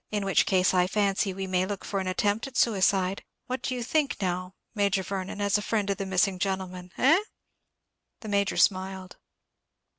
In which case I fancy we may look for an attempt at suicide. What do you think, now, Major Vernon, as a friend of the missing gentleman, eh?" The Major smiled.